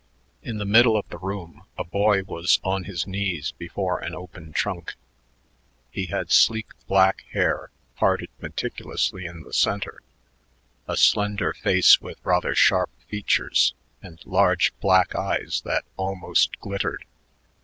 In the middle of the room a boy was on his knees before an open trunk. He had sleek black hair, parted meticulously in the center, a slender face with rather sharp features and large black eyes that almost glittered.